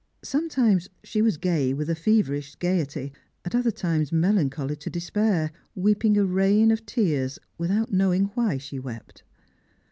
Sometimes she was gay with a feverish gaiety, at other times melancholy to despair, weeping a rain of tears without knowing why she wept.